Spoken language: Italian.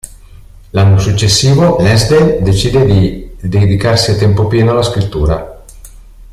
L'anno successivo, Lansdale decide di dedicarsi a tempo pieno alla scrittura.